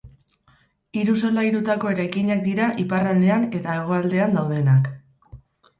Hiru solairutako eraikinak dira iparraldean eta hegoaldean daudenak.